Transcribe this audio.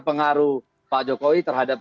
pengaruh pak jokowi terhadap